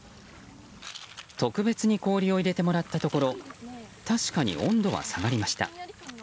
特別に氷を入れてもらったところ確かに温度は下がりました。